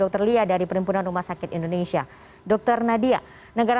terima kasih anda mas